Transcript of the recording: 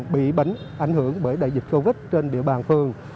bị bánh ảnh hưởng bởi đại dịch covid trên địa bàn phường